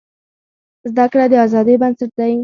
زده کړه د ازادۍ بنسټ دی.